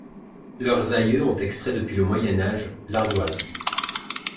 Leurs aïeux ont extrait depuis le Moyen Âge, l'ardoise.